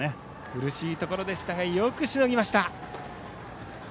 苦しいところでしたがよくしのぎました。